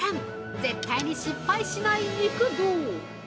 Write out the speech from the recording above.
絶対に失敗しない肉道。